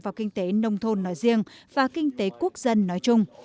vào kinh tế nông thôn nói riêng và kinh tế quốc dân nói chung